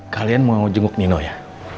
kalian mau jenguk nino ya